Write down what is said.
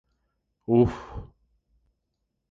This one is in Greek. Ουφ!